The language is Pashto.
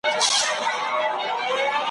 بس دده ګناه همدا وه چي غویی وو ,